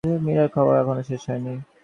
মীরার খাওয়া এখনো শেষ হয় নি।